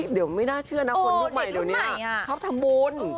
เดี๋ยวไม่น่าเชื่อนะคนรุ่นใหม่เดี๋ยวนี้ชอบทำบุญ